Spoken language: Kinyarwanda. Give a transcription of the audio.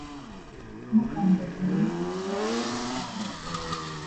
Ntukandagire ikirahure kimenetse